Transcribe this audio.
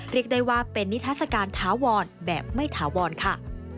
เรียกได้ว่าเป็นนิทัศกาลถาวรแบบไม่ถาวรค่ะ